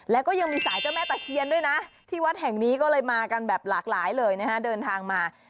แล้วก็ยังมีสายเจ้าแม่ตะเคียนด้วยนะที่วัดแห่งนี้ก็เลยมากันแบบหลากหลายเลยนะฮะเดินทางมา